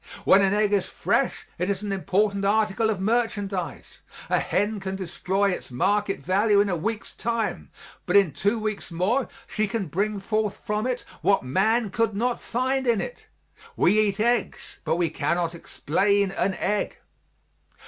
When an egg is fresh it is an important article of merchandise; a hen can destroy its market value in a week's time, but in two weeks more she can bring forth from it what man could not find in it. We eat eggs, but we cannot explain an egg.